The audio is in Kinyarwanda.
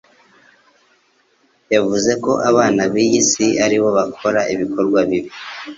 Yavuze ko “abana b'iyi si ari bo bakora ibikorwa bibi